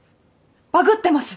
バグってます！